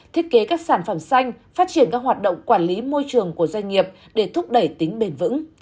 thiết kế các sản phẩm xanh phát triển các hoạt động quản lý môi trường của doanh nghiệp để thúc đẩy tính bền vững